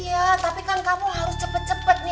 iya tapi kan kamu harus cepet cepet nih